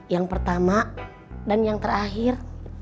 yang pertama dan yang terakhir